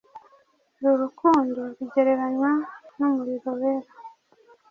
Uru rukundo rugereranywa n’umuriro wera,